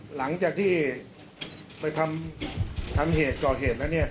หลังจากที่ไปทำเหตุก่อเหตุแล้วเนี่ย